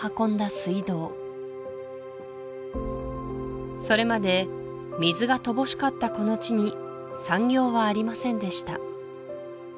水道それまで水が乏しかったこの地に産業はありませんでした